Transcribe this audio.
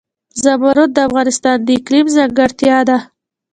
زمرد د افغانستان د اقلیم ځانګړتیا ده.